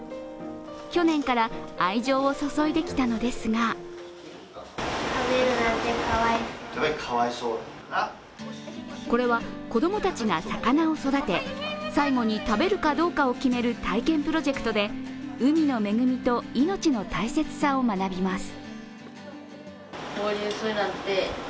去年から愛情を注いできたのですがこれは子供たちが魚を育て、最後に食べるかどうかを決める体験プロジェクトで海の恵みと命の大切さを学びます。